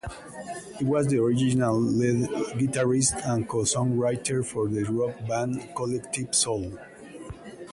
He was the original lead guitarist and co-songwriter for the rock band Collective Soul.